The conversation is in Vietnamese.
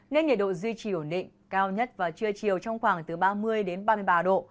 nên nhiệt độ duy trì ổn định cao nhất vào trưa chiều trong khoảng từ ba mươi đến ba mươi ba độ